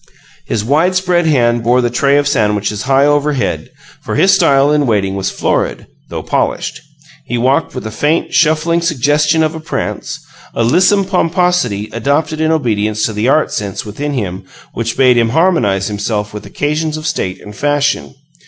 His wide spread hand bore the tray of sandwiches high overhead, for his style in waiting was florid, though polished. He walked with a faint, shuffling suggestion of a prance, a lissome pomposity adopted in obedience to the art sense within him which bade him harmonize himself with occasions of state and fashion.